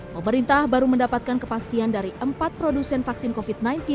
pemerintah baru mendapatkan kepastian dari empat produsen vaksin covid sembilan belas